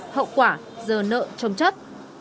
hậu quả giờ nợ trông chất